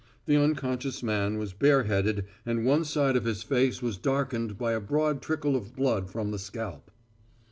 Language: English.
The unconscious man was bareheaded and one side of his face was darkened by a broad trickle of blood from the scalp.